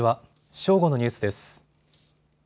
正午のニュースです。